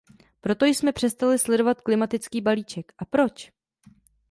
Proto jsme přestali sledovat klimatický balíček, a proč?